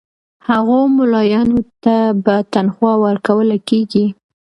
هغو مُلایانو ته به تنخوا ورکوله کیږي.